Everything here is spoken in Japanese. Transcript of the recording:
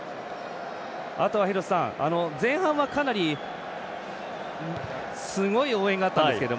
あとは前半はかなりすごい応援があったんですけど。